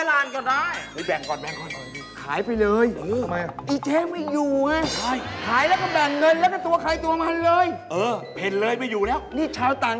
อ้าวผมสำรวจมาแล้วจากดาวเทียม